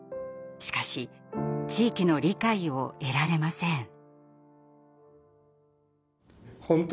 しかし地域の理解を得られません。